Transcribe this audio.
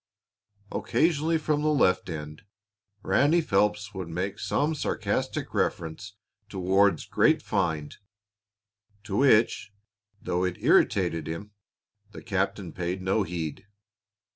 Occasionally, from left end, Ranny Phelps would make some sarcastic reference to Ward's "great find," to which, though it irritated him, the captain paid no heed.